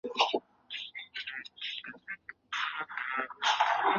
他们的文化与东努沙登加拉省的帝汶岛和弗洛勒斯岛的文化也有相似之处。